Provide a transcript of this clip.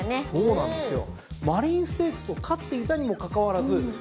そうなんですよ。